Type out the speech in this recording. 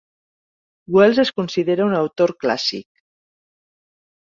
Wells es considera un autor clàssic.